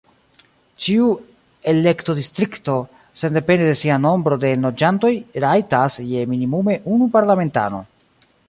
Ĉiu elektodistrikto, sendepende de sia nombro de enloĝantoj, rajtas je minimume unu parlamentano.